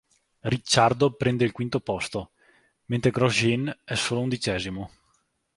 Ricciardo prende il quinto posto, mentre Grosjean è solo undicesimo.